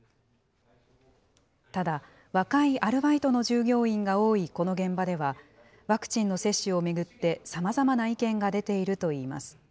ただ、若いアルバイトの従業員が多いこの現場では、ワクチンの接種を巡ってさまざまな意見が出ているといいます。